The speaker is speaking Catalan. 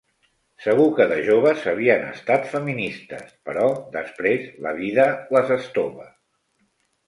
Segur que de joves havien estat feministes, però després la vida les estova.